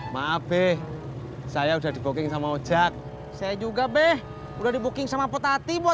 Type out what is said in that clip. maaf saya udah di booking sama ojak saya juga be udah di booking sama potati buat